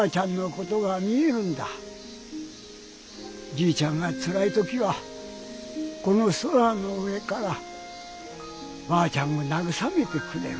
じいちゃんがつらい時はこのソラの上からばあちゃんがなぐさめてくれる。